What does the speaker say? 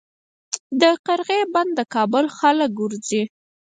د قرغې بند د کابل خلک ورځي